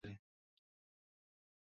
د سیارونو مدارونه بیضوي بڼه لري.